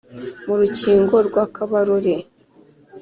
mu rukingo rwa kabarore,